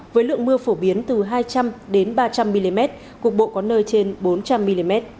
với lượng mưa phổ biến từ hai trăm linh ba trăm linh mm cục bộ có nơi trên bốn trăm linh mm